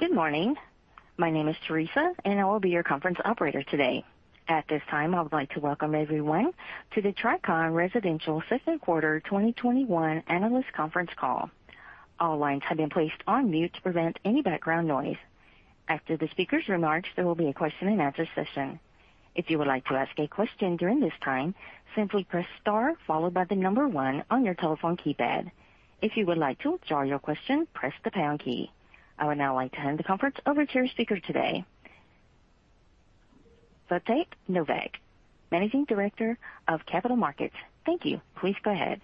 Good morning. My name is Teresa, and I will be your conference operator today. At this time, I would like to welcome everyone to the Tricon Residential Second Quarter 2021 analyst conference call. All lines have been placed on mute to prevent any background noise. After the speaker's remarks, there will be a question-and-answer session. If you would like to ask a question during this time, simply press star followed by the number one on your telephone keypad. If you would like to withdraw your question, press the pound key. I would now like to hand the conference over to our speaker today, Wojtek Nowak, Managing Director of Capital Markets. Thank you. Please go ahead.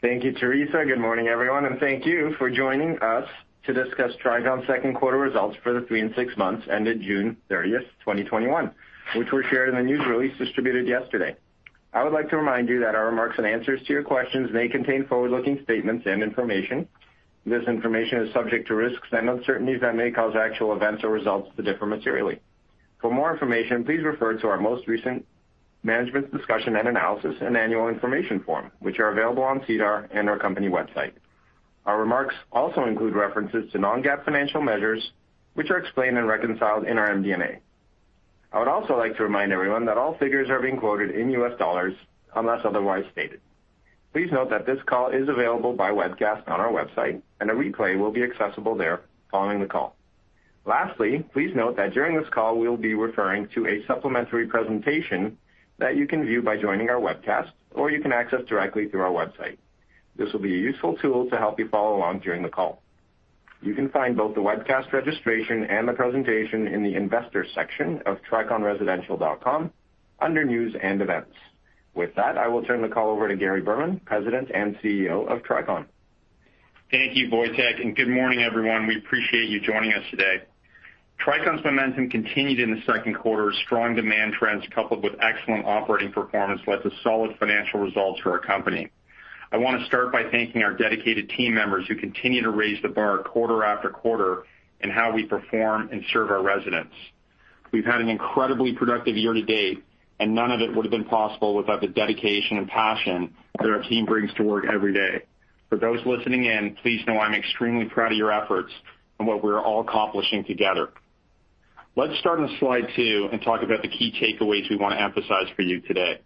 Thank you, Teresa. Good morning, everyone, and thank you for joining us to discuss Tricon's second quarter results for the three and six months ended June 30th, 2021, which were shared in the news release distributed yesterday. I would like to remind you that our remarks and answers to your questions may contain forward-looking statements and information. This information is subject to risks and uncertainties that may cause actual events or results to differ materially. For more information, please refer to our most recent management discussion and analysis and annual information form, which are available on SEDAR and our company website. Our remarks also include references to non-GAAP financial measures, which are explained and reconciled in our MD&A. I would also like to remind everyone that all figures are being quoted in US dollars, unless otherwise stated. Please note that this call is available by webcast on our website, and a replay will be accessible there following the call. Lastly, please note that during this call, we will be referring to a supplementary presentation that you can view by joining our webcast, or you can access directly through our website. This will be a useful tool to help you follow along during the call. You can find both the webcast registration and the presentation in the investors section of triconresidential.com under News and Events. With that, I will turn the call over to Gary Berman, President and CEO of Tricon. Thank you, Wojtek, and good morning, everyone. We appreciate you joining us today. Tricon's momentum continued in the second quarter as strong demand trends coupled with excellent operating performance led to solid financial results for our company. I want to start by thanking our dedicated team members who continue to raise the bar quarter after quarter in how we perform and serve our residents. We've had an incredibly productive year to date, and none of it would've been possible without the dedication and passion that our team brings to work every day. For those listening in, please know I'm extremely proud of your efforts and what we're all accomplishing together. Let's start on slide two and talk about the key takeaways we want to emphasize for you today.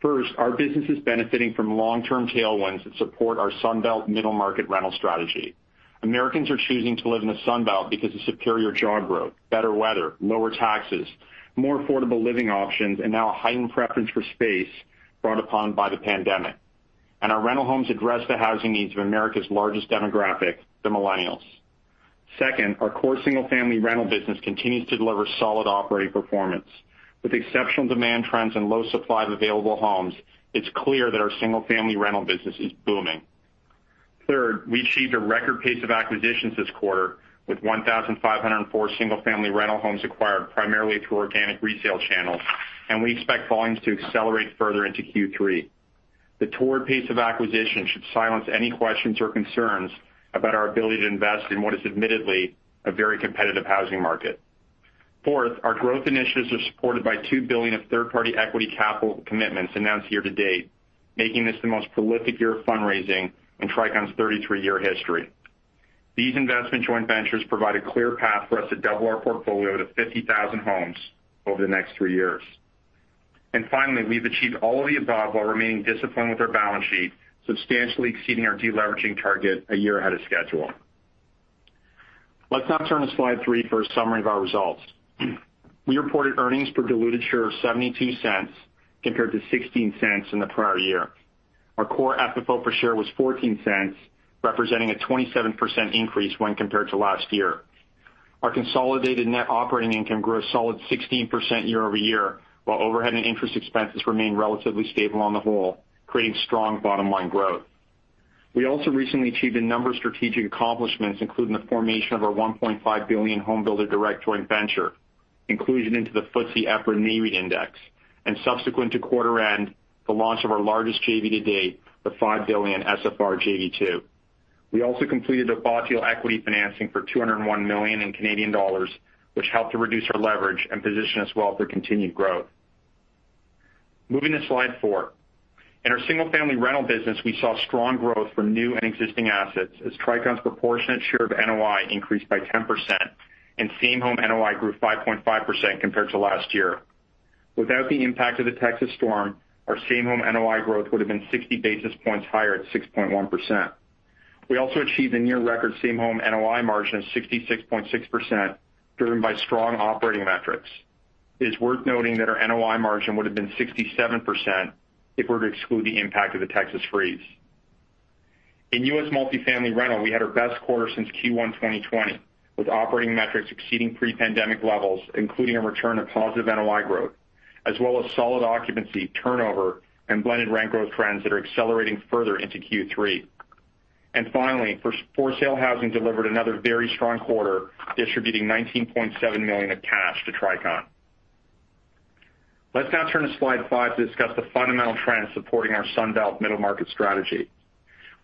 First, our business is benefiting from long-term tailwinds that support our Sun Belt middle-market rental strategy. Americans are choosing to live in the Sun Belt because of superior job growth, better weather, lower taxes, more affordable living options, and now a heightened preference for space brought upon by the pandemic. Our rental homes address the housing needs of America's largest demographic, the millennials. Second, our core single-family rental business continues to deliver solid operating performance. With exceptional demand trends and low supply of available homes, it's clear that our single-family rental business is booming. Third, we achieved a record pace of acquisitions this quarter with 1,504 single-family rental homes acquired primarily through organic resale channels, and we expect volumes to accelerate further into Q3. The torrid pace of acquisition should silence any questions or concerns about our ability to invest in what is admittedly a very competitive housing market. Our growth initiatives are supported by $2 billion of third-party equity capital commitments announced year to date, making this the most prolific year of fundraising in Tricon's 33-year history. These investment joint ventures provide a clear path for us to double our portfolio to 50,000 homes over the next three years. Finally, we've achieved all of the above while remaining disciplined with our balance sheet, substantially exceeding our deleveraging target a year ahead of schedule. Let's now turn to slide three for a summary of our results. We reported earnings per diluted share of $0.72 compared to $0.16 in the prior year. Our core FFO per share was $0.14, representing a 27% increase when compared to last year. Our consolidated net operating income grew a solid 16% year-over-year, while overhead and interest expenses remained relatively stable on the whole, creating strong bottom-line growth. We also recently achieved a number of strategic accomplishments, including the formation of our $1.5 billion Homebuilder Direct JV, inclusion into the FTSE EPRA Nareit Index, and subsequent to quarter end, the launch of our largest JV to date, the $5 billion SFR JV-2. We also completed a volatile equity financing for 201 million in Canadian dollars, which helped to reduce our leverage and position us well for continued growth. Moving to slide four. In our single-family rental business, we saw strong growth for new and existing assets as Tricon's proportionate share of NOI increased by 10%, and same home NOI grew 5.5% compared to last year. Without the impact of the Texas storm, our same home NOI growth would've been 60 basis points higher at 6.1%. We also achieved a near record same home NOI margin of 66.6%, driven by strong operating metrics. It is worth noting that our NOI margin would've been 67% if we were to exclude the impact of the Texas freeze. In U.S. multifamily rental, we had our best quarter since Q1 2020, with operating metrics exceeding pre-pandemic levels, including a return of positive NOI growth, as well as solid occupancy, turnover, and blended rent growth trends that are accelerating further into Q3. Finally, for sale housing delivered another very strong quarter, distributing $19.7 million of cash to Tricon. Let's now turn to slide five to discuss the fundamental trends supporting our Sun Belt middle-market strategy.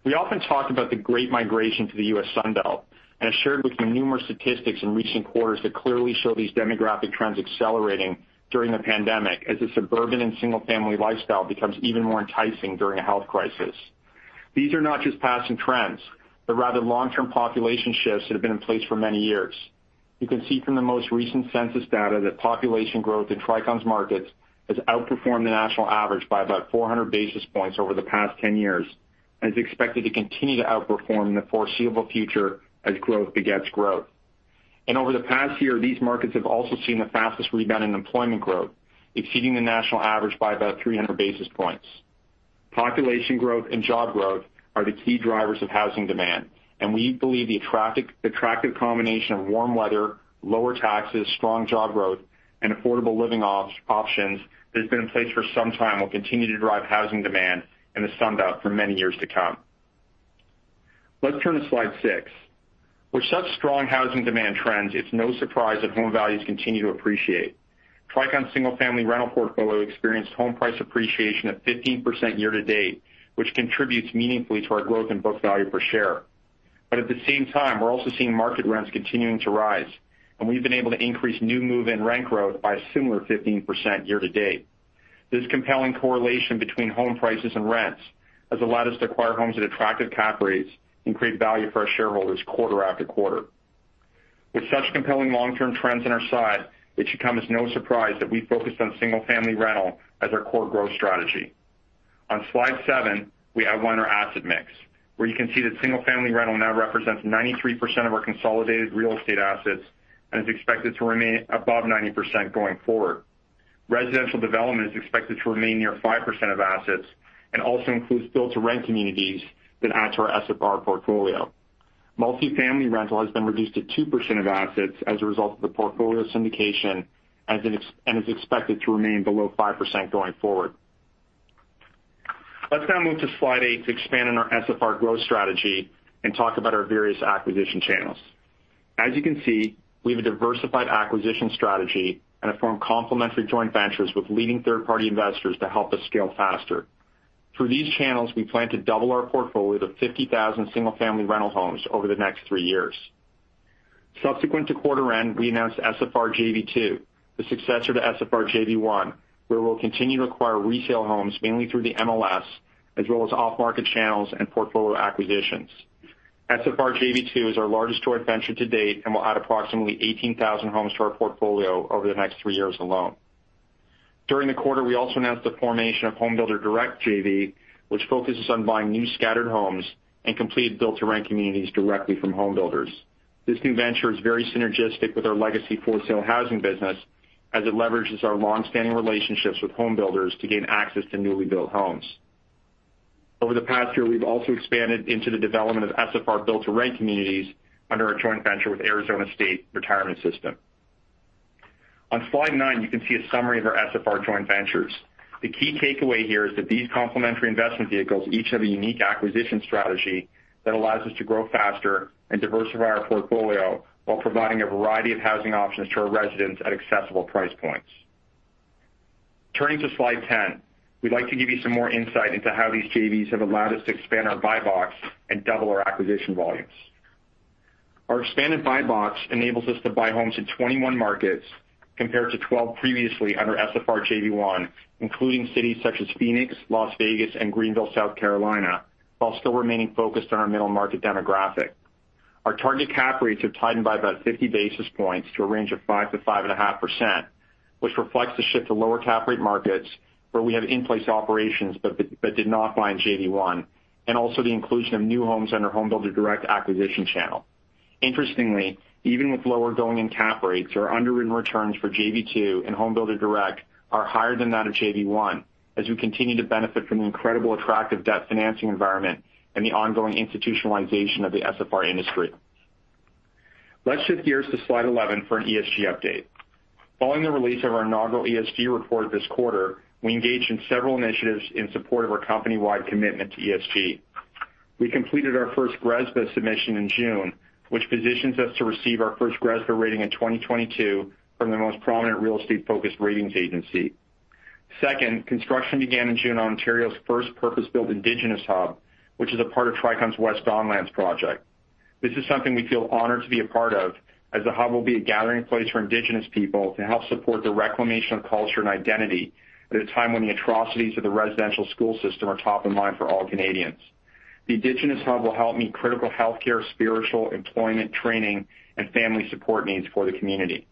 We often talk about the great migration to the U.S. Sun Belt and have shared with you numerous statistics in recent quarters that clearly show these demographic trends accelerating during the pandemic as the suburban and single-family lifestyle becomes even more enticing during a health crisis. These are not just passing trends, but rather long-term population shifts that have been in place for many years. You can see from the most recent census data that population growth in Tricon's markets has outperformed the national average by about 400 basis points over the past 10 years, and is expected to continue to outperform in the foreseeable future as growth begets growth. Over the past year, these markets have also seen the fastest rebound in employment growth, exceeding the national average by about 300 basis points. Population growth and job growth are the key drivers of housing demand. We believe the attractive combination of warm weather, lower taxes, strong job growth, and affordable living options that has been in place for some time will continue to drive housing demand in the Sun Belt for many years to come. Let's turn to slide six. With such strong housing demand trends, it's no surprise that home values continue to appreciate. Tricon's single-family rental portfolio experienced home price appreciation of 15% year-to-date, which contributes meaningfully to our growth in book value per share. At the same time, we're also seeing market rents continuing to rise, and we've been able to increase new move-in rent growth by a similar 15% year-to-date. This compelling correlation between home prices and rents has allowed us to acquire homes at attractive cap rates and create value for our shareholders quarter-after-quarter. With such compelling long-term trends on our side, it should come as no surprise that we focused on single-family rental as our core growth strategy. On slide seven, we outline our asset mix, where you can see that single-family rental now represents 93% of our consolidated real estate assets and is expected to remain above 90% going forward. Residential development is expected to remain near 5% of assets and also includes build-to-rent communities that add to our SFR portfolio. Multi-family rental has been reduced to 2% of assets as a result of the portfolio syndication and is expected to remain below 5% going forward. Let's now move to slide eight to expand on our SFR growth strategy and talk about our various acquisition channels. As you can see, we have a diversified acquisition strategy and have formed complementary joint ventures with leading third-party investors to help us scale faster. Through these channels, we plan to double our portfolio to 50,000 single-family rental homes over the next three years. Subsequent to quarter end, we announced SFR JV-2, the successor to SFR JV-1, where we'll continue to acquire resale homes mainly through the MLS, as well as off-market channels and portfolio acquisitions. SFR JV-2 is our largest joint venture to date and will add approximately 18,000 homes to our portfolio over the next three years alone. During the quarter, we also announced the formation of Homebuilder Direct JV, which focuses on buying new scattered homes and completed build-to-rent communities directly from homebuilders. This new venture is very synergistic with our legacy for-sale housing business, as it leverages our longstanding relationships with homebuilders to gain access to newly built homes. Over the past year, we've also expanded into the development of SFR build-to-rent communities under our joint venture with Arizona State Retirement System. On slide nine, you can see a summary of our SFR joint ventures. The key takeaway here is that these complementary investment vehicles each have a unique acquisition strategy that allows us to grow faster and diversify our portfolio while providing a variety of housing options to our residents at accessible price points. Turning to slide 10, we'd like to give you some more insight into how these JVs have allowed us to expand our buy box and double our acquisition volumes. Our expanded buy box enables us to buy homes in 21 markets, compared to 12 previously under SFR JV-1, including cities such as Phoenix, Las Vegas, and Greenville, South Carolina, while still remaining focused on our middle-market demographic. Our target cap rates have tightened by about 50 basis points to a range of 5%-5.5%, which reflects the shift to lower cap rate markets where we have in-place operations but did not buy in JV-1, and also the inclusion of new homes under Homebuilder Direct acquisition channel. Interestingly, even with lower going-in cap rates, our underwritten returns for JV-2 and Homebuilder Direct are higher than that of JV-1, as we continue to benefit from the incredible attractive debt financing environment and the ongoing institutionalization of the SFR industry. Let's shift gears to slide 11 for an ESG update. Following the release of our inaugural ESG report this quarter, we engaged in several initiatives in support of our company-wide commitment to ESG. We completed our first GRESB submission in June, which positions us to receive our first GRESB rating in 2022 from the most prominent real estate-focused ratings agency. Second, construction began in June on Ontario's first purpose-built Indigenous Hub, which is a part of Tricon's West Don Lands project. This is something we feel honored to be a part of, as the Hub will be a gathering place for Indigenous people to help support the reclamation of culture and identity at a time when the atrocities of the Residential School System are top of mind for all Canadians. The Indigenous Hub will help meet critical healthcare, spiritual, employment, training, and family support needs for the community.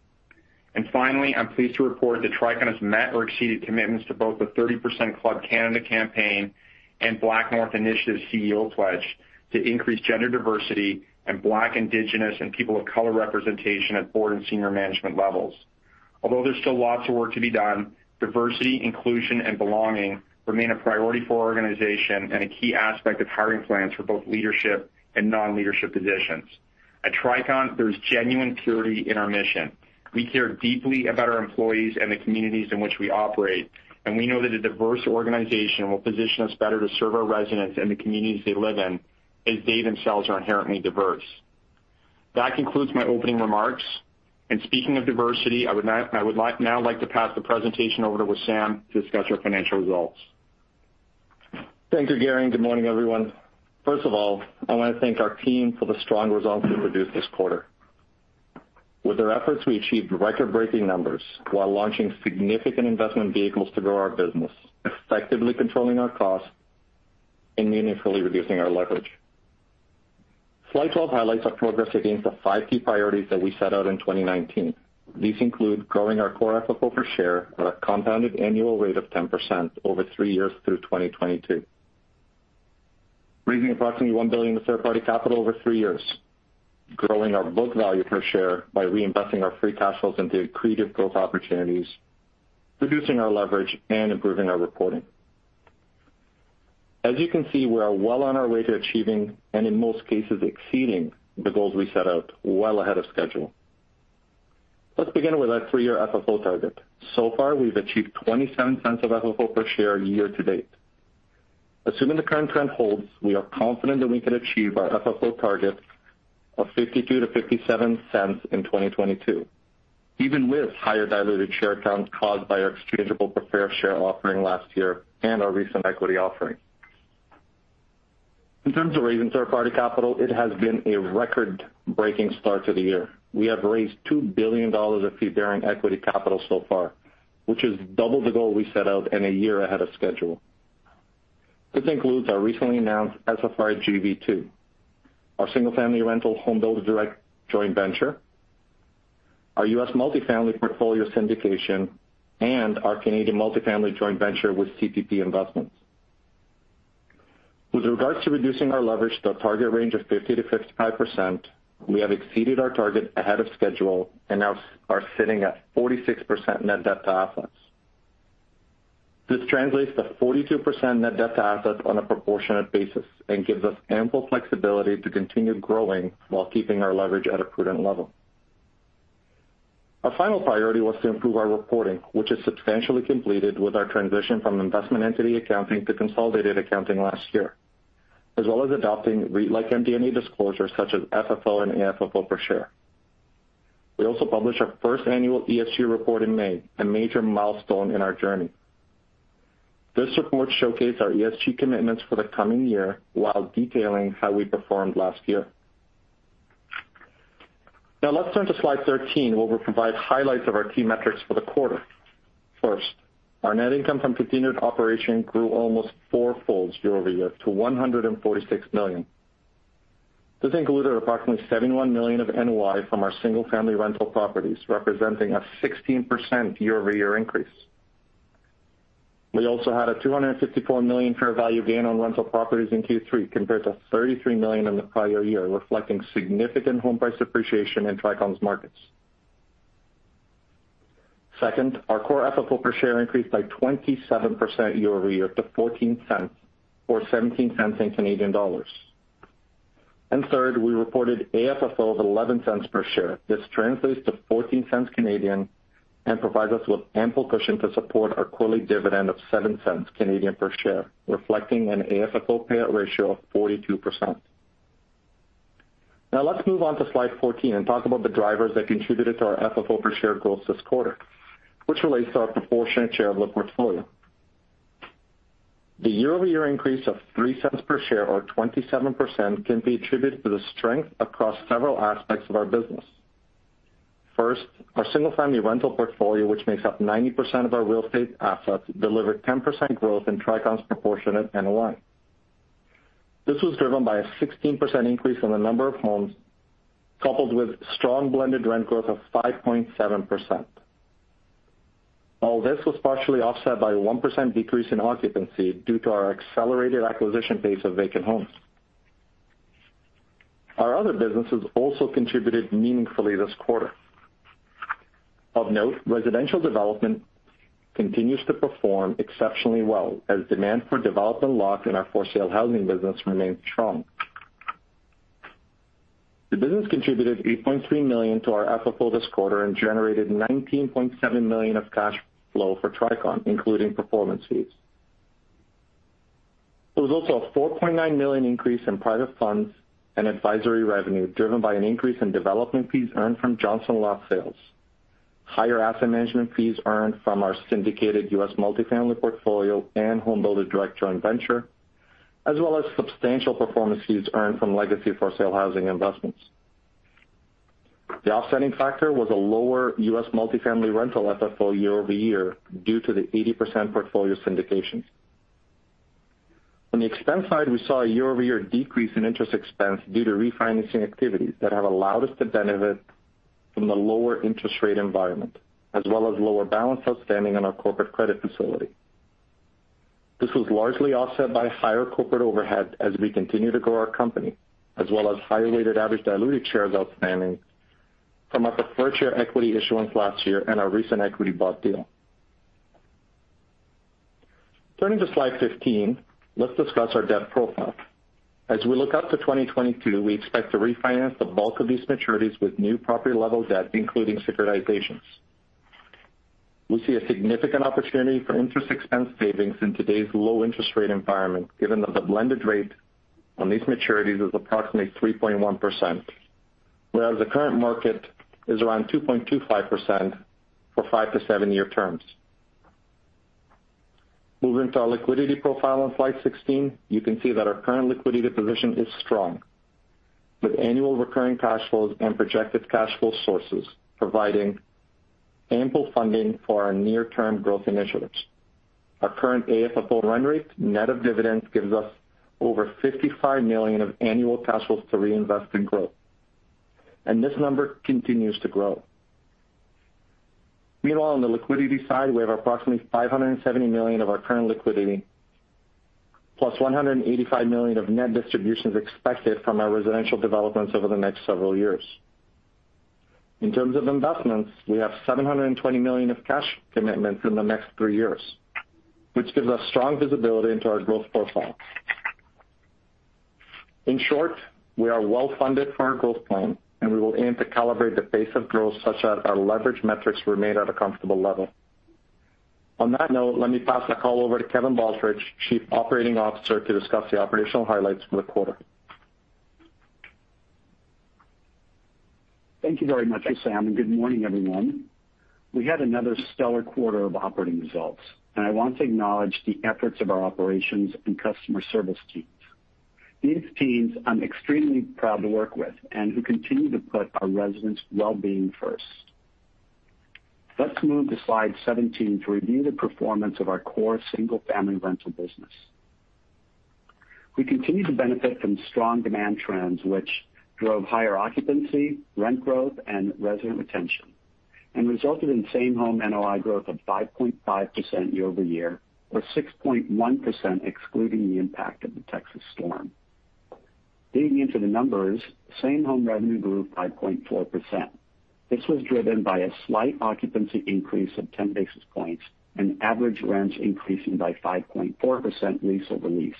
Finally, I'm pleased to report that Tricon has met or exceeded commitments to both the 30% Club Canada campaign and BlackNorth Initiative's CEO pledge to increase gender diversity in Black, Indigenous, and people of color representation at board and senior management levels. There's still lots of work to be done, diversity, inclusion, and belonging remain a priority for our organization and a key aspect of hiring plans for both leadership and non-leadership positions. At Tricon, there's genuine purity in our mission. We care deeply about our employees and the communities in which we operate, We know that a diverse organization will position us better to serve our residents and the communities they live in, as they themselves are inherently diverse. That concludes my opening remarks, Speaking of diversity, I would now like to pass the presentation over to Wissam to discuss our financial results. Thank you, Gary, and good morning, everyone. First of all, I want to thank our team for the strong results we produced this quarter. With their efforts, we achieved record-breaking numbers while launching significant investment vehicles to grow our business, effectively controlling our costs, and meaningfully reducing our leverage. Slide 12 highlights our progress against the five key priorities that we set out in 2019. These include growing our core FFO per share at a compounded annual rate of 10% over three years through 2022. Raising approximately $1 billion of third-party capital over three years. Growing our book value per share by reinvesting our free cash flows into accretive growth opportunities. Reducing our leverage and improving our reporting. As you can see, we are well on our way to achieving, and in most cases exceeding, the goals we set out well ahead of schedule. Let's begin with our three-year FFO target. So far, we've achieved $0.27 of FFO per share year-to-date. Assuming the current trend holds, we are confident that we can achieve our FFO target of $0.52-$0.57 in 2022, even with higher diluted share counts caused by our exchangeable preferred share offering last year, and our recent equity offering. In terms of raising third-party capital, it has been a record-breaking start to the year. We have raised $2 billion of fee-bearing equity capital so far, which is double the goal we set out and a year ahead of schedule. This includes our recently announced SFR JV-2, our single-family rental Homebuilder Direct Joint Venture, our U.S. multifamily portfolio syndication, and our Canadian multifamily joint venture with CPP Investments. With regards to reducing our leverage to a target range of 50%-55%, we have exceeded our target ahead of schedule and now are sitting at 46% net debt to assets. This translates to 42% net debt to assets on a proportionate basis and gives us ample flexibility to continue growing while keeping our leverage at a prudent level. Our final priority was to improve our reporting, which is substantially completed with our transition from investment entity accounting to consolidated accounting last year, as well as adopting REIT-like MD&A disclosures such as FFO and AFFO per share. We also published our first annual ESG report in May, a major milestone in our journey. This report showcase our ESG commitments for the coming year while detailing how we performed last year. Let's turn to slide 13, where we provide highlights of our key metrics for the quarter. First, our net income from continued operation grew almost four-fold year-over-year to $146 million. This included approximately $71 million of NOI from our single-family rental properties, representing a 16% year-over-year increase. We also had a $254 million fair value gain on rental properties in Q3 compared to $33 million in the prior year, reflecting significant home price appreciation in Tricon's markets. Second, our core FFO per share increased by 27% year-over-year to $0.14 or 0.17. Third, we reported AFFO of $0.11 per share. This translates to 0.14 and provides us with ample cushion to support our quarterly dividend of 0.07 per share, reflecting an AFFO payout ratio of 42%. Now let's move on to slide 14 and talk about the drivers that contributed to our FFO per share goals this quarter, which relates to our proportionate share of the portfolio. The year-over-year increase of $0.03 per share or 27% can be attributed to the strength across several aspects of our business. First, our single-family rental portfolio, which makes up 90% of our real estate assets, delivered 10% growth in Tricon's proportionate NOI. This was driven by a 16% increase in the number of homes, coupled with strong blended rent growth of 5.7%. All this was partially offset by 1% decrease in occupancy due to our accelerated acquisition pace of vacant homes. Our other businesses also contributed meaningfully this quarter. Of note, residential development continues to perform exceptionally well as demand for development lots in our for-sale housing business remains strong. The business contributed $8.3 million to our FFO this quarter and generated $19.7 million of cash flow for Tricon, including performance fees. There was also a $4.9 million increase in private funds and advisory revenue driven by an increase in development fees earned from Johnson Lot sales, higher asset management fees earned from our syndicated U.S. multifamily portfolio and Homebuilder Direct Joint Venture, as well as substantial performance fees earned from legacy for-sale housing investments. The offsetting factor was a lower U.S. multifamily rental FFO year-over-year due to the 80% portfolio syndications. On the expense side, we saw a year-over-year decrease in interest expense due to refinancing activities that have allowed us to benefit from the lower interest rate environment as well as lower balance outstanding on our corporate credit facility. This was largely offset by higher corporate overhead as we continue to grow our company, as well as higher weighted average diluted shares outstanding from our preferred share equity issuance last year and our recent equity bought deal. Turning to slide 15, let's discuss our debt profile. As we look out to 2022, we expect to refinance the bulk of these maturities with new property level debt, including securitizations. We see a significant opportunity for interest expense savings in today's low interest rate environment, given that the blended rate on these maturities is approximately 3.1%, whereas the current market is around 2.25% for five to seven-year terms. Moving to our liquidity profile on slide 16, you can see that our current liquidity position is strong, with annual recurring cash flows and projected cash flow sources providing ample funding for our near-term growth initiatives. Our current AFFO run rate net of dividends gives us over $55 million of annual cash flows to reinvest in growth. This number continues to grow. Meanwhile, on the liquidity side, we have approximately $570 million of our current liquidity, plus $185 million of net distributions expected from our residential developments over the next several years. In terms of investments, we have $720 million of cash commitments in the next three years, which gives us strong visibility into our growth profile. In short, we are well-funded for our growth plan. We will aim to calibrate the pace of growth such that our leverage metrics remain at a comfortable level. On that note, let me pass the call over to Kevin Baldridge, Chief Operating Officer, to discuss the operational highlights for the quarter. Thank you very much, Wissam. Good morning, everyone. We had another stellar quarter of operating results, and I want to acknowledge the efforts of our operations and customer service teams. These teams I'm extremely proud to work with and who continue to put our residents' well-being first. Let's move to slide 17 to review the performance of our core single-family rental business. We continue to benefit from strong demand trends, which drove higher occupancy, rent growth, and resident retention, and resulted in same-home NOI growth of 5.5% year-over-year, or 6.1% excluding the impact of the Texas storm. Digging into the numbers, same-home revenue grew 5.4%. This was driven by a slight occupancy increase of 10 basis points and average rents increasing by 5.4% lease-over-lease.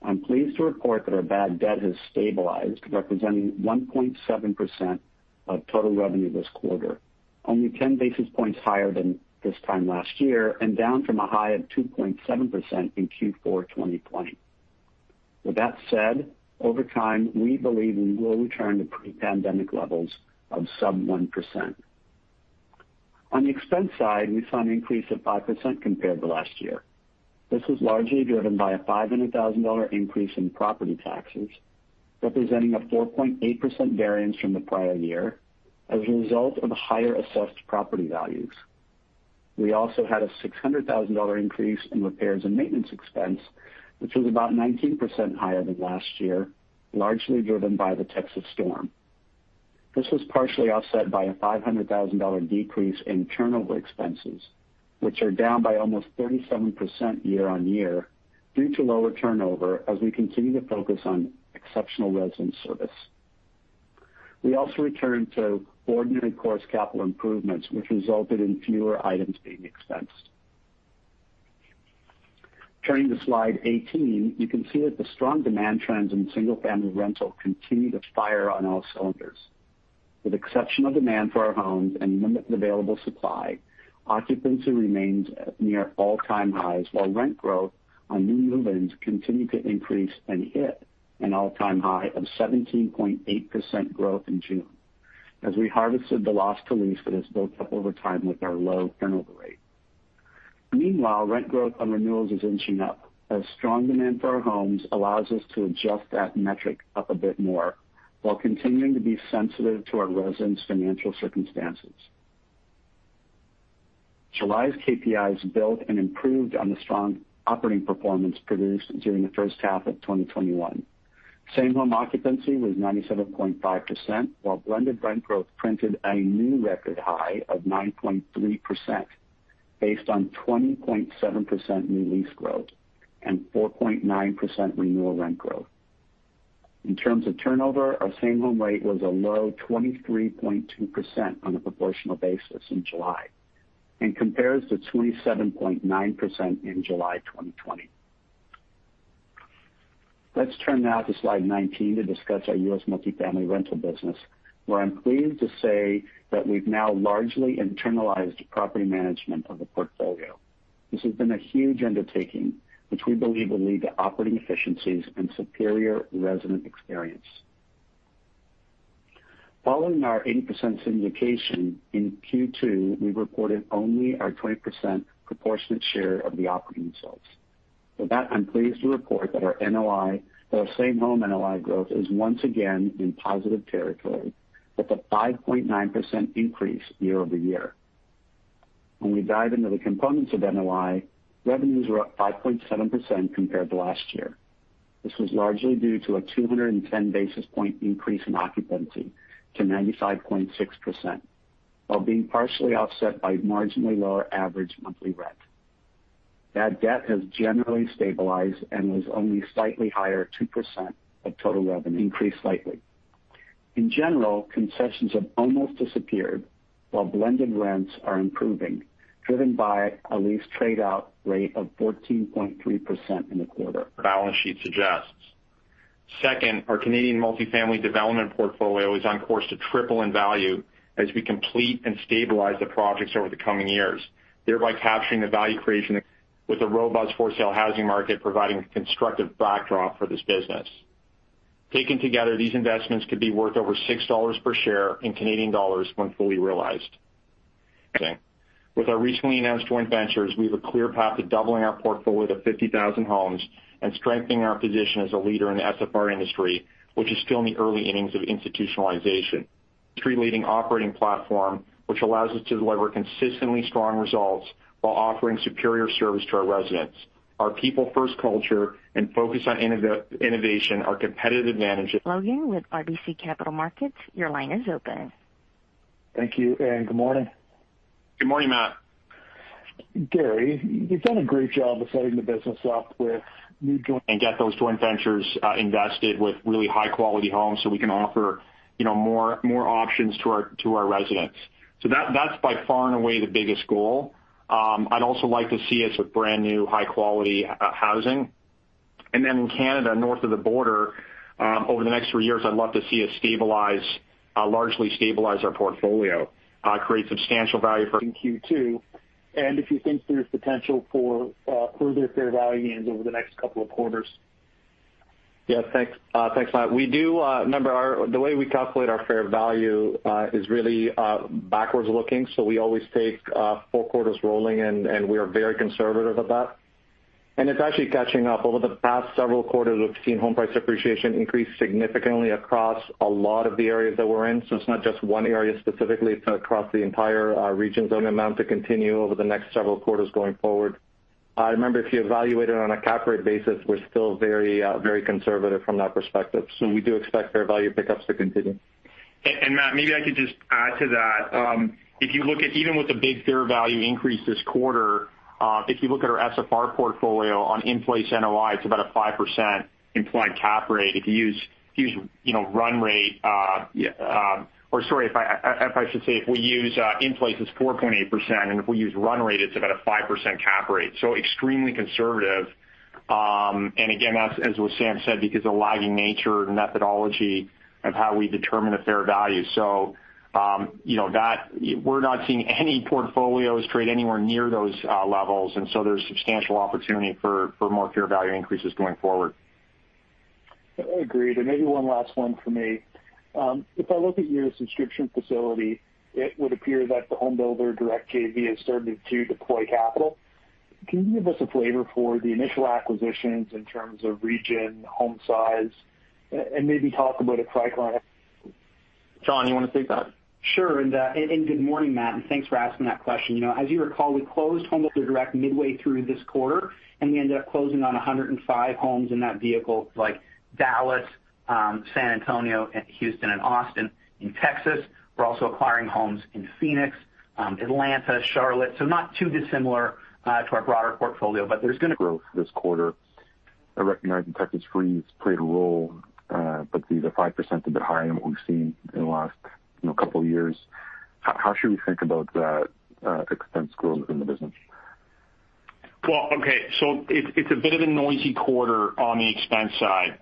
I'm pleased to report that our bad debt has stabilized, representing 1.7% of total revenue this quarter, only 10 basis points higher than this time last year and down from a high of 2.7% in Q4 2020. With that said, over time, we believe we will return to pre-pandemic levels of sub 1%. On the expense side, we saw an increase of 5% compared to last year. This was largely driven by a $500,000 increase in property taxes, representing a 4.8% variance from the prior year as a result of higher assessed property values. We also had a $600,000 increase in repairs and maintenance expense, which was about 19% higher than last year, largely driven by the Texas storm. This was partially offset by a $500,000 decrease in turnover expenses, which are down by almost 37% year-on-year due to lower turnover as we continue to focus on exceptional resident service. We also returned to ordinary course capital improvements, which resulted in fewer items being expensed. Turning to slide 18, you can see that the strong demand trends in single-family rental continue to fire on all cylinders. With exceptional demand for our homes and limited available supply, occupancy remains at near all-time highs, while rent growth on new lease continued to increase and hit an all-time high of 17.8% growth in June as we harvested the loss to lease that has built up over time with our low turnover rate. Meanwhile, rent growth on renewals is inching up as strong demand for our homes allows us to adjust that metric up a bit more while continuing to be sensitive to our residents' financial circumstances. July's KPIs built and improved on the strong operating performance produced during the first half of 2021. Same-home occupancy was 97.5%, while blended rent growth printed a new record high of 9.3% based on 20.7% new lease growth and 4.9% renewal rent growth. In terms of turnover, our same-home rate was a low 23.2% on a proportional basis in July and compares to 27.9% in July 2020. Let's turn now to slide 19 to discuss our U.S. multifamily rental business, where I'm pleased to say that we've now largely internalized property management of the portfolio. This has been a huge undertaking, which we believe will lead to operating efficiencies and superior resident experience. Following our 80% syndication, in Q2, we reported only our 20% proportionate share of the operating results. For that, I'm pleased to report that our same-home NOI growth is once again in positive territory, with a 5.9% increase year-over-year. When we dive into the components of NOI, revenues were up 5.7% compared to last year. This was largely due to a 210 basis point increase in occupancy to 95.6%, while being partially offset by marginally lower average monthly rent. Bad debt has generally stabilized and was only slightly higher, 2% of total revenue, increased slightly. In general, concessions have almost disappeared while blended rents are improving, driven by a lease trade-out rate of 14.3% in the quarter. Balance sheet suggests. Second, our Canadian multi-family development portfolio is on course to triple in value as we complete and stabilize the projects over the coming years, thereby capturing the value creation with a robust for-sale housing market providing a constructive backdrop for this business. Taken together, these investments could be worth over 6 dollars per share in Canadian dollars when fully realized. With our recently announced joint ventures, we have a clear path to doubling our portfolio to 50,000 homes and strengthening our position as a leader in the SFR industry, which is still in the early innings of institutionalization. Industry-leading operating platform, which allows us to deliver consistently strong results while offering superior service to our residents. Our people first culture and focus on innovation are competitive advantages. Logan with RBC Capital Markets, your line is open. Thank you. Good morning. Good morning, Matt. Gary, you've done a great job of setting the business up with new joint ..ventures and get those joint ventures invested with really high-quality homes so we can offer more options to our residents. That's by far and away the biggest goal. I'd also like to see us with brand-new, high-quality housing. In Canada, north of the border, over the next three years, I'd love to see us largely stabilize our portfolio, create substantial value. In Q2, if you think there's potential for further fair value gains over the next 2 quarters? Yes, thanks Matt. Remember, the way we calculate our fair value is really backwards looking, so we always take four quarters rolling, and we are very conservative about it. It's actually catching up. Over the past several quarters, we've seen home price appreciation increase significantly across a lot of the areas that we're in. It's not just one area specifically, it's across the entire regions. Amount to continue over the next several quarters going forward. Remember, if you evaluate it on a cap rate basis, we're still very conservative from that perspective. We do expect fair value pickups to continue. Matt, maybe I could just add to that. Even with the big fair value increase this quarter, if you look at our SFR portfolio on in-place NOI, it's about a 5% implied cap rate. If we use in-place, it's 4.8%, and if we use run rate, it's about a 5% cap rate. Extremely conservative. Again, as what Wissam said, because of the lagging nature methodology of how we determine the fair value. We're not seeing any portfolios trade anywhere near those levels, there's substantial opportunity for more fair value increases going forward. Agreed. Maybe one last one from me. If I look at your subscription facility, it would appear that the Home Builder Direct JV has started to deploy capital. Can you give us a flavor for the initial acquisitions in terms of region, home size, and maybe talk about a timeline? [Sean], you want to take that? Sure, good morning, Matt, and thanks for asking that question. As you recall, we closed Homebuilder Direct midway through this quarter, we ended up closing on 105 homes in that vehicle like Dallas, San Antonio, Houston, and Austin in Texas. We're also acquiring homes in Phoenix, Atlanta, Charlotte, not too dissimilar to our broader portfolio. Growth this quarter. I recognize the Texas freeze played a role, the 5% is a bit higher than what we've seen in the last couple of years. How should we think about that expense growth in the business? It's a bit of a noisy quarter on the expense side.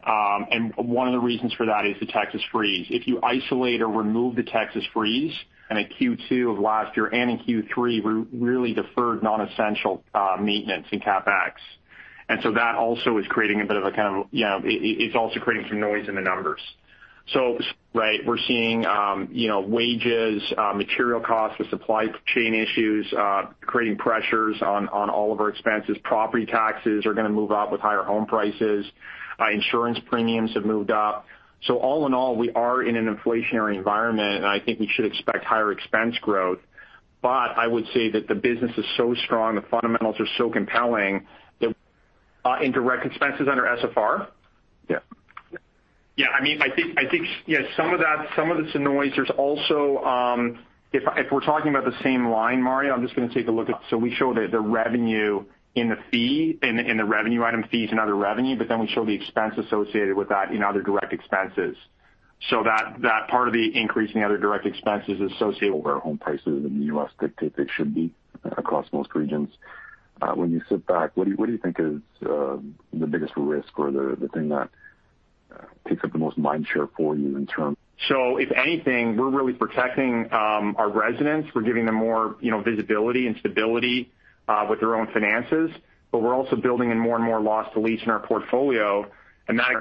One of the reasons for that is the Texas freeze. If you isolate or remove the Texas freeze and in Q2 of last year and in Q3, we really deferred non-essential maintenance in CapEx. That also is creating some noise in the numbers. We're seeing wages, material costs with supply chain issues creating pressures on all of our expenses. Property taxes are going to move up with higher home prices. Insurance premiums have moved up. All in all, we are in an inflationary environment, I think we should expect higher expense growth. I would say that the business is so strong, the fundamentals are so compelling. In direct expenses under SFR? Yeah. Yeah. I think some of it's the noise. If we're talking about the same line, Mario, I'm just going to take a look at. We show the revenue in the fee, in the revenue item fees and other revenue, we show the expense associated with that in other direct expenses. That part of the increase in the other direct expenses is associated. Where home prices in the U.S. dictate they should be across most regions. When you sit back, what do you think is the biggest risk or the thing that takes up the most mind share for you? If anything, we're really protecting our residents. We're giving them more visibility and stability with their own finances. We're also building in more and more loss to lease in our portfolio.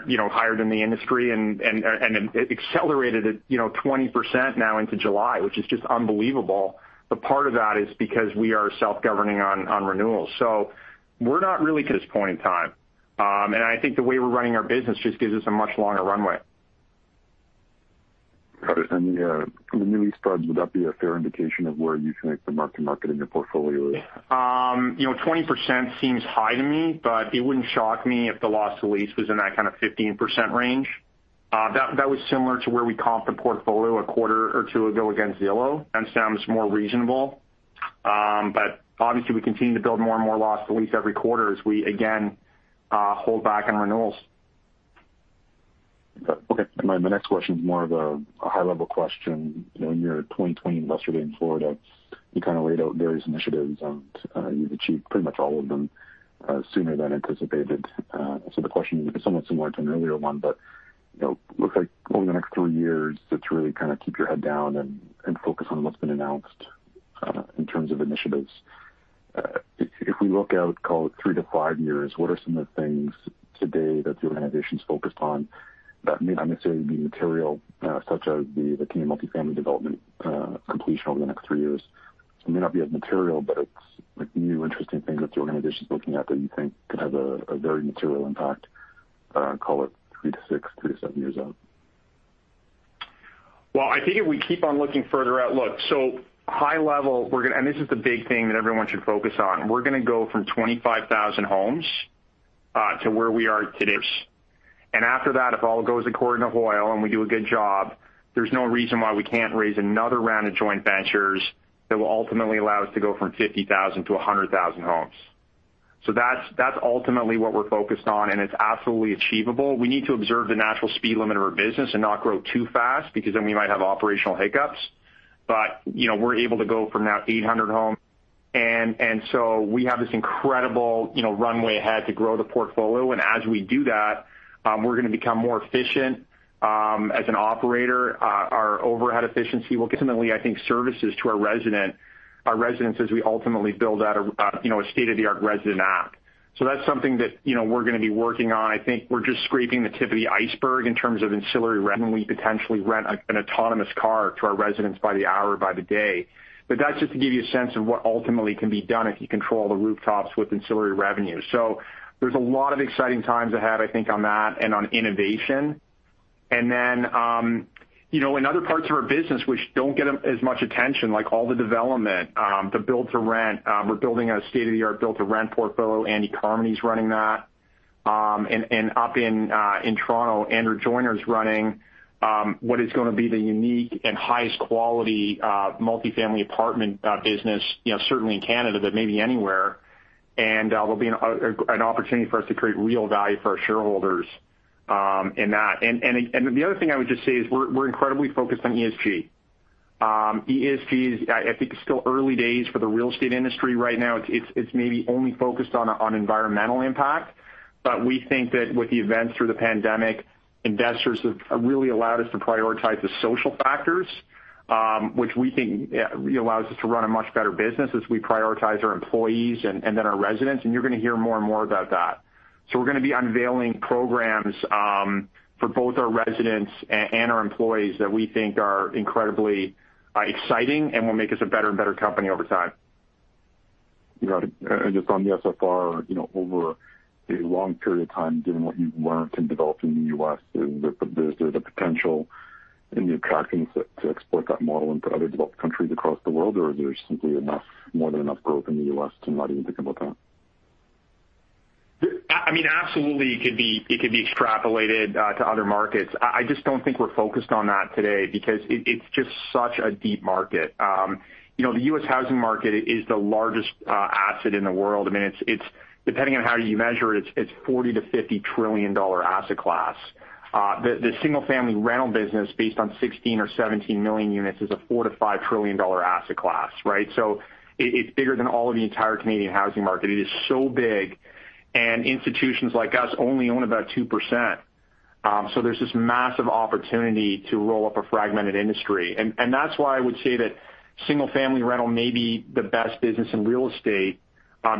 You know, higher than the industry and it accelerated at 20% now into July, which is just unbelievable. Part of that is because we are self-governing on renewals. At this point in time. I think the way we're running our business just gives us a much longer runway. Got it. The new lease spreads, would that be a fair indication of where you think the mark-to-market in your portfolio is? 20% seems high to me, but it wouldn't shock me if the loss to lease was in that kind of 15% range. That was similar to where we comped the portfolio a quarter or two ago against Zillow. Sam is more reasonable. Obviously, we continue to build more and more loss to lease every quarter as we, again, hold back on renewals. Okay. My next question is more of a high-level question. In your 2020 investor day in Florida, you kind of laid out various initiatives, and you've achieved pretty much all of them sooner than anticipated. The question is somewhat similar to an earlier one. It looks like over the next three years, it's really kind of keep your head down and focus on what's been announced In terms of initiatives. If we look out three to five years, what are some of the things today that the organization's focused on that may not necessarily be material, such as the Canadian multifamily development completion over the next three years? It may not be as material, it's like new interesting things that the organization's looking at that you think could have a very material impact, three to six, three to seven years out. I think if we keep on looking further out. High level, this is the big thing that everyone should focus on. We're going to go from 25,000 homes, to where we are today. After that, if all goes according to plan and we do a good job, there's no reason why we can't raise another round of joint ventures that will ultimately allow us to go from 50,000 to 100,000 homes. That's ultimately what we're focused on, it's absolutely achievable. We need to observe the natural speed limit of our business and not grow too fast because then we might have operational hiccups. We're able to go from now 800 homes. We have this incredible runway ahead to grow the portfolio. As we do that, we're going to become more efficient as an operator. Our overhead efficiency ultimately, I think services to our residents as we ultimately build out a state-of-the-art resident app. That's something that we're going to be working on. I think we're just scraping the tip of the iceberg in terms of ancillary revenue. When we potentially rent an autonomous car to our residents by the hour or by the day. That's just to give you a sense of what ultimately can be done if you control the rooftops with ancillary revenue. There's a lot of exciting times ahead, I think, on that and on innovation. In other parts of our business which don't get as much attention, like all the development, the build-to-rent. We're building a state-of-the-art build-to-rent portfolio. Andy Carmody's running that. Up in Toronto, Andrew Joyner is running what is going to be the unique and highest quality multifamily apartment business certainly in Canada, but maybe anywhere. There will be an opportunity for us to create real value for our shareholders in that. The other thing I would just say is we are incredibly focused on ESG. ESG, I think it is still early days for the real estate industry right now. It is maybe only focused on environmental impact. We think that with the events through the pandemic, investors have really allowed us to prioritize the social factors, which we think allows us to run a much better business as we prioritize our employees and then our residents. You are going to hear more and more about that. We're going to be unveiling programs for both our residents and our employees that we think are incredibly exciting and will make us a better and better company over time. Got it. Just on the SFR, over a long period of time, given what you've learned in developing the U.S., is there the potential in your tracking to export that model into other developed countries across the world? Is there simply more than enough growth in the U.S. to not even think about that? Absolutely, it could be extrapolated to other markets. I just don't think we're focused on that today because it's just such a deep market. The U.S. housing market is the largest asset in the world. Depending on how you measure it's a $40 trillion-$50 trillion asset class. The single-family rental business based on 16 or 17 million units is a $4 trillion-$5 trillion asset class, right? It's bigger than all of the entire Canadian housing market. It is so big, and institutions like us only own about 2%. There's this massive opportunity to roll up a fragmented industry. That's why I would say that single-family rental may be the best business in real estate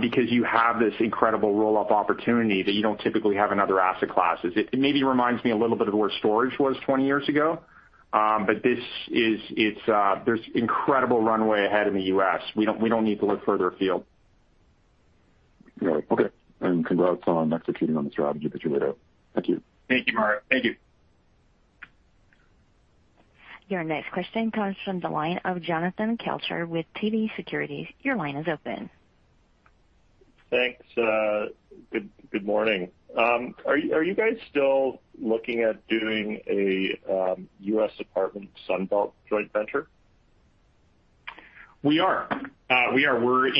because you have this incredible roll-up opportunity that you don't typically have in other asset classes. It maybe reminds me a little bit of where storage was 20 years ago. There's incredible runway ahead in the U.S. We don't need to look further afield. Right. Okay. Congrats on executing on the strategy that you laid out. Thank you. Thank you, Mario. Thank you. Your next question comes from the line of Jonathan Kelcher with TD Securities. Your line is open. Thanks. Good morning. Are you guys still looking at doing a U.S. apartment Sun Belt joint venture? We are. We're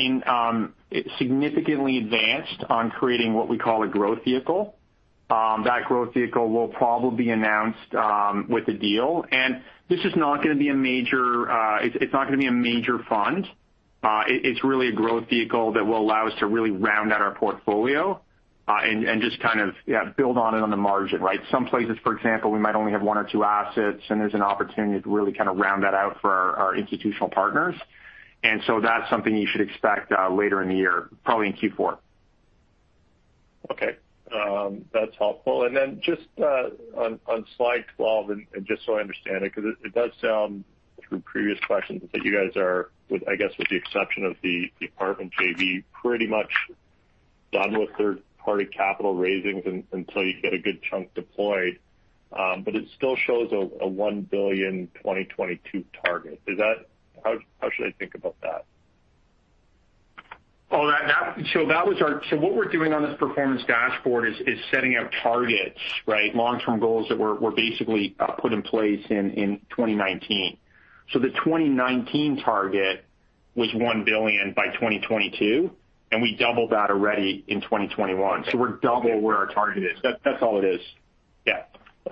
significantly advanced on creating what we call a growth vehicle. That growth vehicle will probably be announced with a deal. This is not going to be a major fund. It's really a growth vehicle that will allow us to really round out our portfolio and just kind of build on it on the margin, right? Some places, for example, we might only have one or two assets, and there's an opportunity to really kind of round that out for our institutional partners. That's something you should expect later in the year, probably in Q4. Okay. That's helpful. Just on slide 12, and just so I understand it, because it does sound through previous questions that you guys are, I guess with the exception of the apartment JV, pretty much done with third-party capital raisings until you get a good chunk deployed. It still shows a $1 billion 2022 target. How should I think about that? What we're doing on this performance dashboard is setting out targets, right? Long-term goals that were basically put in place in 2019. The 2019 target was $1 billion by 2022, and we doubled that already in 2021. We're double where our target is. That's all it is? Yeah.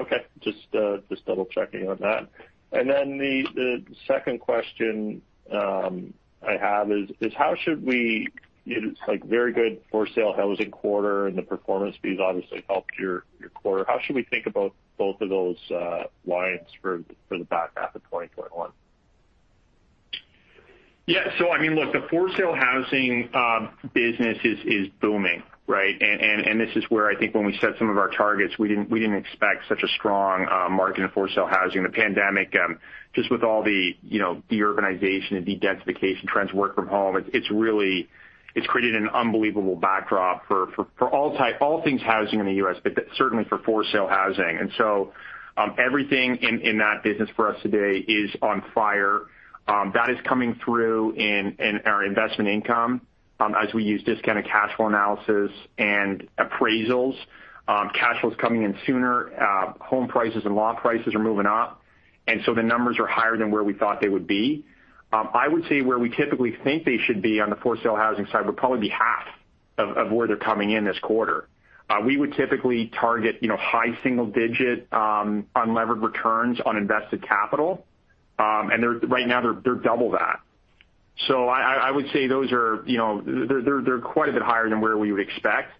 Okay. Just double-checking on that. The second question I have is it's like very good for-sale housing quarter and the performance fees obviously helped your quarter. How should we think about both of those lines for the back half of 2021? Yeah. Look, the for-sale housing business is booming, right? This is where I think when we set some of our targets, we didn't expect such a strong margin of for-sale housing. The pandemic, just with all the de-urbanization and de-densification trends, work from home, it's created an unbelievable backdrop for all things housing in the U.S., but certainly for for-sale housing. Everything in that business for us today is on fire. That is coming through in our investment income as we use discounted cash flow analysis and appraisals. Cash flow's coming in sooner. Home prices and lot prices are moving up, and so the numbers are higher than where we thought they would be. I would say where we typically think they should be on the for-sale housing side would probably be half of where they're coming in this quarter. We would typically target high single-digit unlevered returns on invested capital. Right now they're double that. I would say they're quite a bit higher than where we would expect.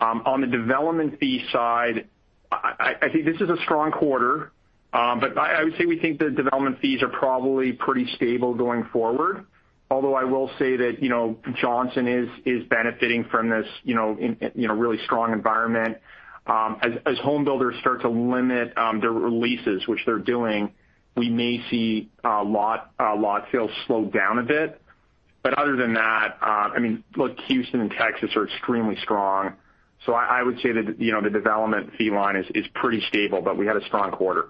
On the development fee side, I think this is a strong quarter. I would say we think the development fees are probably pretty stable going forward. Although I will say that Johnson is benefiting from this really strong environment. As home builders start to limit their releases, which they're doing, we may see lot sales slow down a bit. Other than that, look, Houston and Texas are extremely strong. I would say that the development fee line is pretty stable, but we had a strong quarter.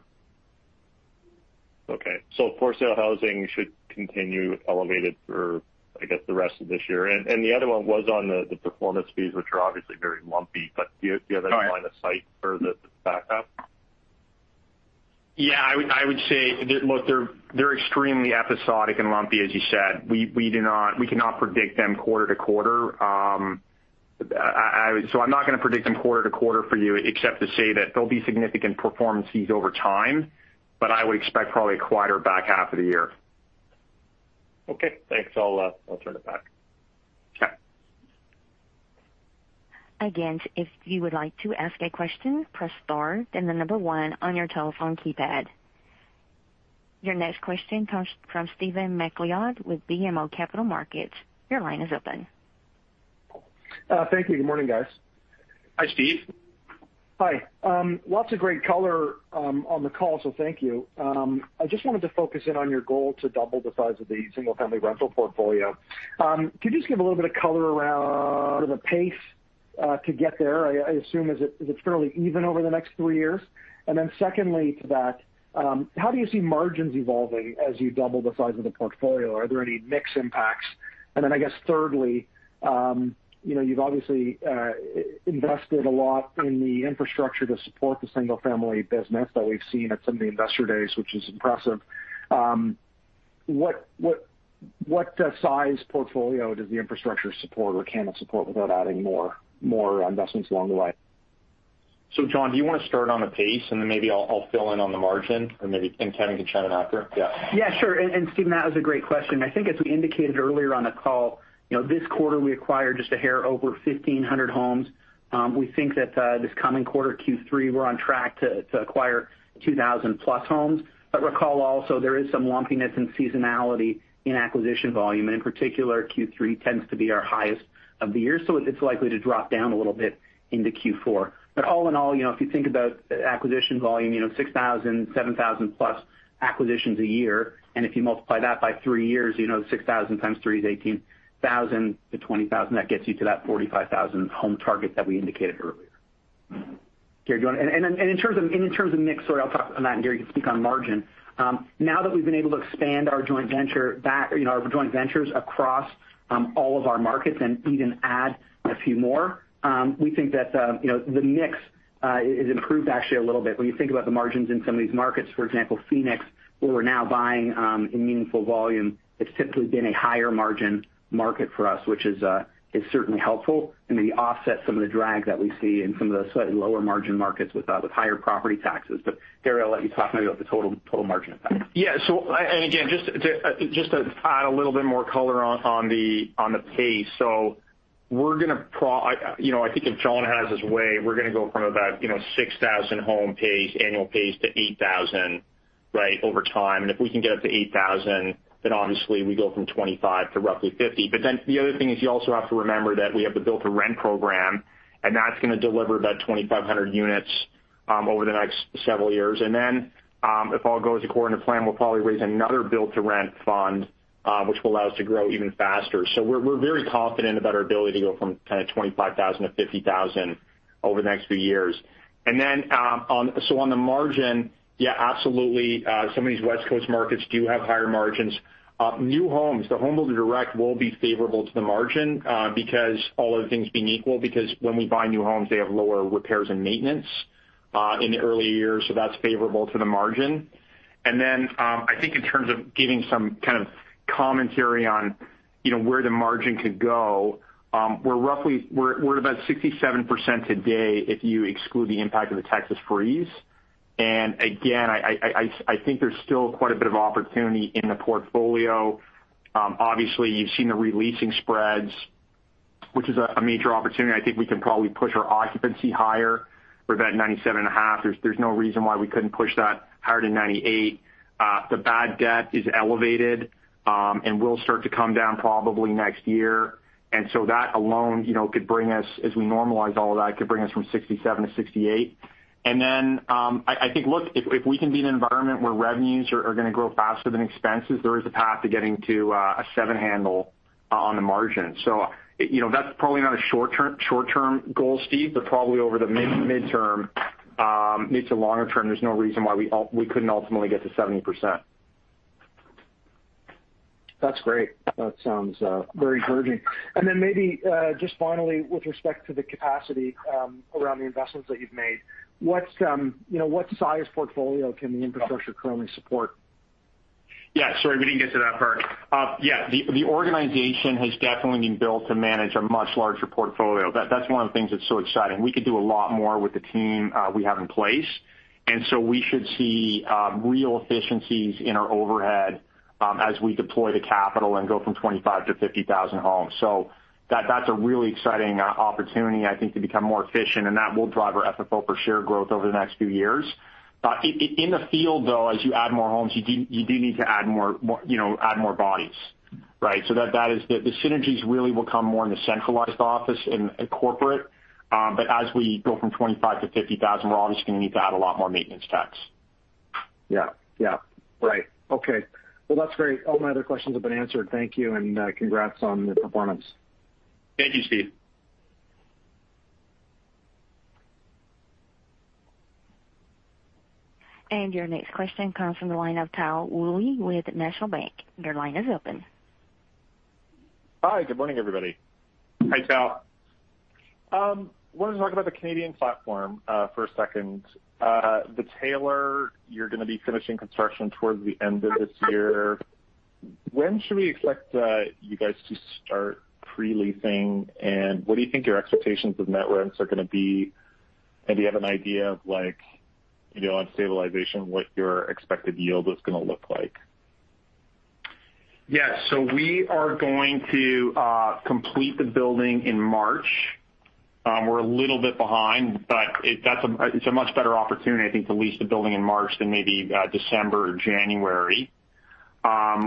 Okay. For-sale housing should continue elevated for, I guess, the rest of this year. The other one was on the performance fees, which are obviously very lumpy. Do you have any- Sorry line of sight for the backup? Yeah. I would say, look, they're extremely episodic and lumpy, as you said. We cannot predict them quarter-to-quarter. I'm not going to predict them quarter-to-quarter for you except to say that there'll be significant performance fees over time, but I would expect probably a quieter back half of the year. Okay, thanks. I'll turn it back. Sure. Again, if you would like to ask a question, press star, then the number one on your telephone keypad. Your next question comes from Stephen MacLeod with BMO Capital Markets. Your line is open. Thank you. Good morning, guys. Hi, Steve. Hi. Lots of great color on the call, thank you. I just wanted to focus in on your goal to double the size of the single-family rental portfolio. Could you just give a little bit of color around the pace to get there? I assume is it fairly even over the next three years? Secondly to that, how do you see margins evolving as you double the size of the portfolio? Are there any mix impacts? Thirdly, you've obviously invested a lot in the infrastructure to support the single-family business that we've seen at some of the investor days, which is impressive. What size portfolio does the infrastructure support or can it support without adding more investments along the way? John, do you want to start on the pace, and then maybe I'll fill in on the margin or Kevin can chime in after? Yeah. Yeah, sure. Stephen, that was a great question. I think as we indicated earlier on the call, this quarter we acquired just a hair over 1,500 homes. We think that this coming quarter, Q3, we're on track to acquire 2,000+ homes. Recall also, there is some lumpiness and seasonality in acquisition volume. In particular, Q3 tends to be our highest of the year. It's likely to drop down a little bit into Q4. All in all, if you think about acquisition volume, 6,000, 7,000+ acquisitions a year, if you multiply that by three years, 6,000 times three is 18,000-20,000. That gets you to that 45,000-home target that we indicated earlier. Gary, In terms of mix, sorry, I'll talk on that, and Gary can speak on margin. Now that we've been able to expand our joint ventures across all of our markets and even add a few more, we think that the mix is improved actually a little bit. When you think about the margins in some of these markets, for example, Phoenix, where we're now buying in meaningful volume, it's typically been a higher margin market for us, which is certainly helpful. You offset some of the drag that we see in some of the slightly lower margin markets with higher property taxes. Gary, I'll let you talk maybe about the total margin impact. Yeah. Again, just to add a little bit more color on the pace. I think if John has his way, we're going to go from about 6,000 home annual pace to 8,000 over time. If we can get up to 8,000, obviously we go from 25-50. The other thing is you also have to remember that we have the build-to-rent program, and that's going to deliver about 2,500 units over the next several years. If all goes according to plan, we'll probably raise another build-to-rent fund, which will allow us to grow even faster. We're very confident about our ability to go from kind of 25,000-50,000 over the next few years. On the margin, yeah, absolutely. Some of these West Coast markets do have higher margins. New homes, the Homebuilder Direct will be favorable to the margin because all other things being equal, because when we buy new homes, they have lower repairs and maintenance in the early years. That's favorable to the margin. I think in terms of giving some kind of commentary on where the margin could go, we're about 67% today if you exclude the impact of the Texas freeze. I think there's still quite a bit of opportunity in the portfolio. Obviously, you've seen the releasing spreads, which is a major opportunity. I think we can probably push our occupancy higher. We're about 97.5. There's no reason why we couldn't push that higher to 98. The bad debt is elevated, and will start to come down probably next year. That alone could bring us, as we normalize all of that, could bring us from 67%-68%. I think, look, if we can be in an environment where revenues are going to grow faster than expenses, there is a path to getting to a 7 handle on the margin. That's probably not a short-term goal, Steve, but probably over the mid-term into longer term, there's no reason why we couldn't ultimately get to 70%. That's great. That sounds very encouraging. Maybe, just finally, with respect to the capacity around the investments that you've made, what size portfolio can the infrastructure currently support? Yeah, sorry, we didn't get to that part. Yeah. The organization has definitely been built to manage a much larger portfolio. That's one of the things that's so exciting. We could do a lot more with the team we have in place, we should see real efficiencies in our overhead as we deploy the capital and go from 25,000-50,000 homes. That's a really exciting opportunity, I think, to become more efficient, and that will drive our FFO per share growth over the next few years. In the field, though, as you add more homes, you do need to add more bodies, right? The synergies really will come more in the centralized office in corporate. As we go from 25,000-50,000, we're obviously going to need to add a lot more maintenance techs. Yeah. Right. Okay. Well, that's great. All my other questions have been answered. Thank you, and congrats on the performance. Thank you, Steve. Your next question comes from the line of Tal Woolley with National Bank. Your line is open. Hi. Good morning, everybody. Hi, Tal. I want to talk about the Canadian platform for a second. The Taylor, you're going to be finishing construction towards the end of this year. When should we expect you guys to start pre-leasing, and what do you think your expectations of net rents are going to be? Do you have an idea of, on stabilization, what your expected yield is going to look like? Yes. We are going to complete the building in March. We're a little bit behind, but it's a much better opportunity, I think, to lease the building in March than maybe December or January.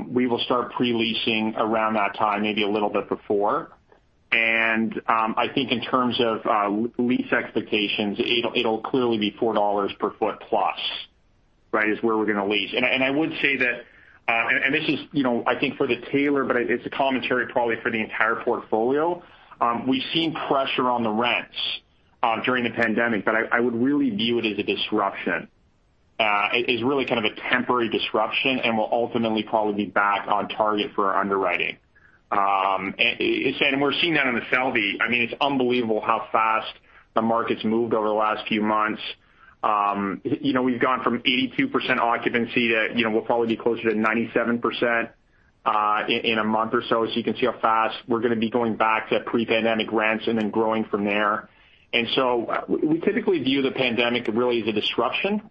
We will start pre-leasing around that time, maybe a little bit before. I think in terms of lease expectations, it'll clearly be $4 per foot plus, is where we're going to lease. I would say that, and this is I think for The Taylor, but it's a commentary probably for the entire portfolio. We've seen pressure on the rents during the pandemic, but I would really view it as a disruption. It's really kind of a temporary disruption and we'll ultimately probably be back on target for our underwriting. We're seeing that in The Selby. It's unbelievable how fast the market's moved over the last few months. We've gone from 82% occupancy to we'll probably be closer to 97% in a month or so. You can see how fast we're going to be going back to pre-pandemic rents and then growing from there. We typically view the pandemic really as a disruption,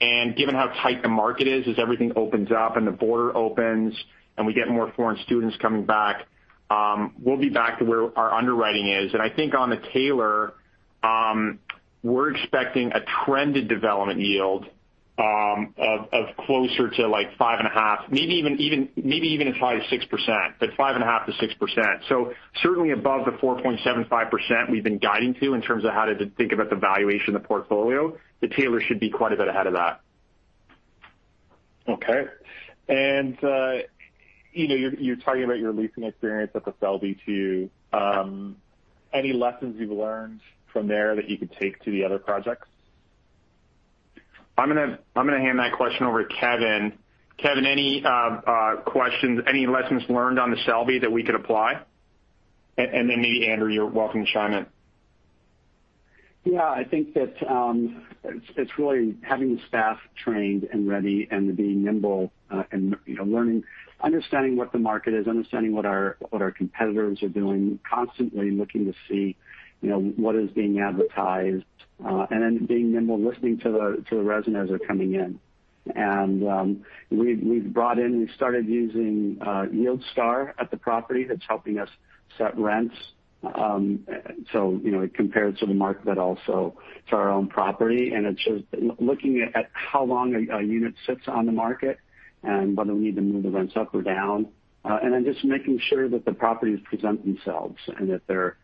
and given how tight the market is as everything opens up and the border opens and we get more foreign students coming back, we'll be back to where our underwriting is. I think on The Taylor, we're expecting a trended development yield of closer to 5.5, maybe even at 5%-6%, but 5.5%-6%. Certainly above the 4.75% we've been guiding to in terms of how to think about the valuation of the portfolio. The Taylor should be quite a bit ahead of that. Okay. You're talking about your leasing experience at The Selby too. Any lessons you've learned from there that you could take to the other projects? I'm going to hand that question over to Kevin. Kevin, any questions, any lessons learned on The Selby that we could apply? Then maybe Andrew, you're welcome to chime in. Yeah, I think that it's really having the staff trained and ready and being nimble and understanding what the market is, understanding what our competitors are doing, constantly looking to see what is being advertised, being nimble, listening to the residents as they're coming in. We started using YieldStar at the property that's helping us set rents. It compares to the market, but also to our own property. It's just looking at how long a unit sits on the market and whether we need to move the rents up or down. Just making sure that the properties present themselves and that they're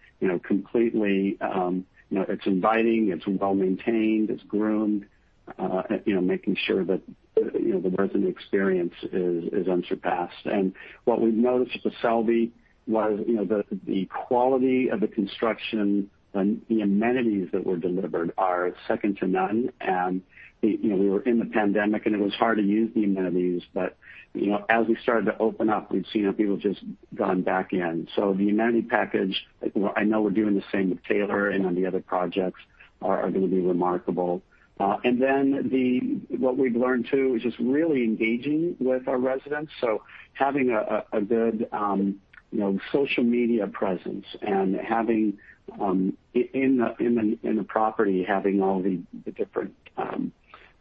inviting, it's well-maintained, it's groomed. Making sure that the resident experience is unsurpassed. What we've noticed with The Selby was the quality of the construction and the amenities that were delivered are second to none. We were in the pandemic, and it was hard to use the amenities. As we started to open up, we've seen people just gone back in. The amenity package, I know we're doing the same with The Taylor and on the other projects, are going to be remarkable. What we've learned too is just really engaging with our residents. Having a good social media presence and in the property, having all the different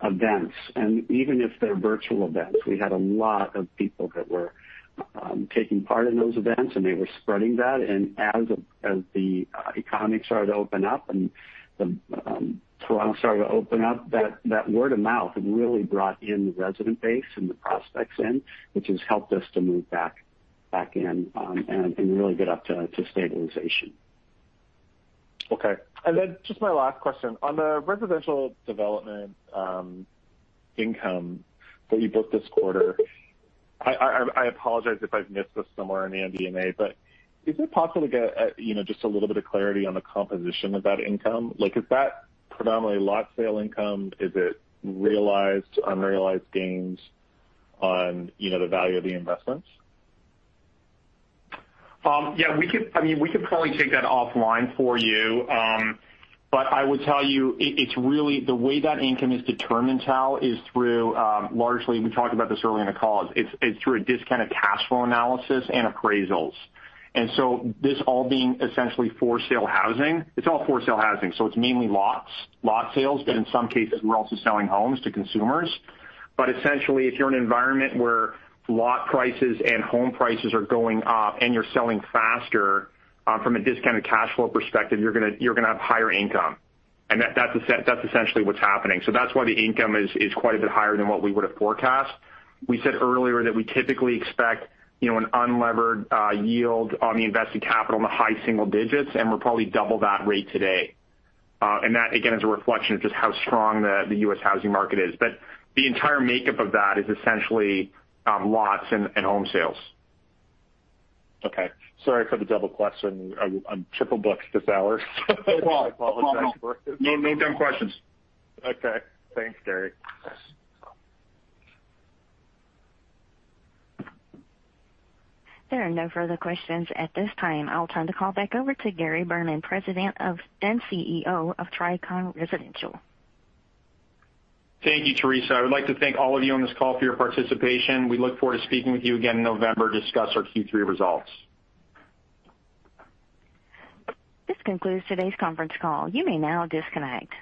events. Even if they're virtual events, we had a lot of people that were taking part in those events, and they were spreading that. As the economy started to open up and the salons started to open up, that word of mouth really brought in the resident base and the prospects in, which has helped us to move back in and really get up to stabilization. Okay. Just my last question, on the residential development income that you booked this quarter, I apologize if I've missed this somewhere in the MD&A, is it possible to get just a little bit of clarity on the composition of that income? Is that predominantly lot sale income? Is it realized, unrealized gains on the value of the investments? Yeah. We could probably take that offline for you. I would tell you, the way that income is determined, Tao, is through, largely, we talked about this earlier in the call, is through a discounted cash flow analysis and appraisals. This all being essentially for-sale housing. It's all for-sale housing, it's mainly lot sales. In some cases, we're also selling homes to consumers. Essentially, if you're in an environment where lot prices and home prices are going up and you're selling faster, from a discounted cash flow perspective, you're going to have higher income. That's essentially what's happening. That's why the income is quite a bit higher than what we would've forecast. We said earlier that we typically expect an unlevered yield on the invested capital in the high single digits, and we're probably double that rate today. That, again, is a reflection of just how strong the U.S. housing market is. The entire makeup of that is essentially lots and home sales. Okay. Sorry for the double question. I'm triple booked this hour. No problem. I apologize for it. No dumb questions. Okay. Thanks, Gary. Yes. There are no further questions at this time. I'll turn the call back over to Gary Berman, President and Chief Executive Officer of Tricon Residential. Thank you, Theresa. I would like to thank all of you on this call for your participation. We look forward to speaking with you again in November to discuss our Q3 results. This concludes today's conference call. You may now disconnect.